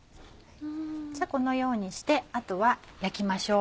じゃこのようにしてあとは焼きましょう。